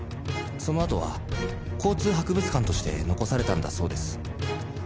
そのあとは交通博物館として残されたんだそうです。